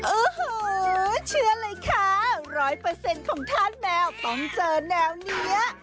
อึ้หูเชื่อเลยค่ะร้อยเปอร์เซ็นต์ของท่านแมวต้องเจอแนวเนี้ย